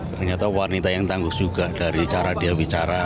ternyata wanita yang tangguh juga dari cara dia bicara